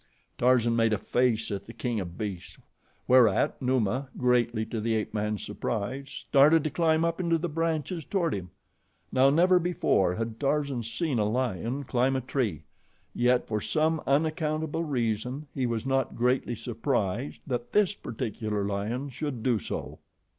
Tarzan made a face at the king of beasts, whereat Numa, greatly to the ape man's surprise, started to climb up into the branches toward him. Now, never before had Tarzan seen a lion climb a tree, yet, for some unaccountable reason, he was not greatly surprised that this particular lion should do so.